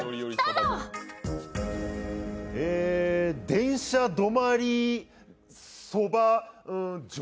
電車止まりそば城。